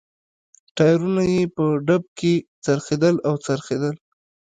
ټایرونه یې په ډب کې څرخېدل او څرخېدل.